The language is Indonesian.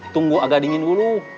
tunggu agak dingin dulu